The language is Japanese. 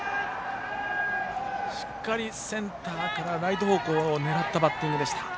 しっかりセンターからライト方向を狙ったバッティングでした。